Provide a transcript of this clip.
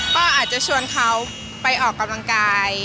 ก็อาจจะชวนเขาไปออกกำลังกาย